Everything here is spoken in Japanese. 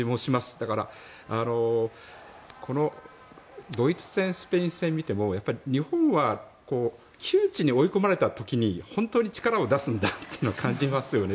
だからドイツ戦、スペイン戦を見ても日本は窮地に追い込まれた時に本当に力を出すんだなと感じますよね。